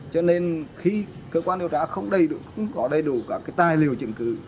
cho nên khi cơ quan điều tra không có đầy đủ các tài liệu chứng cứ